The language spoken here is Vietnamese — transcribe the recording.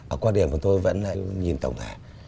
ở quan điểm của tôi vẫn nhìn tổng thể